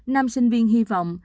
nam sinh viên hy vọng